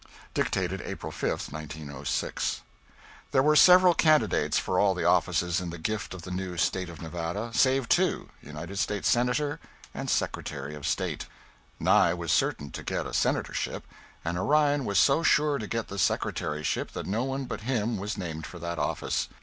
_ [Dictated April 5, 1906.] There were several candidates for all the offices in the gift of the new State of Nevada save two United States Senator, and Secretary of State. Nye was certain to get a Senatorship, and Orion was so sure to get the Secretaryship that no one but him was named for that office.